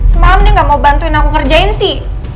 semalam dia gak mau bantuin aku kerjain sih